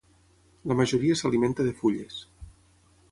La majoria s'alimenta de fulles.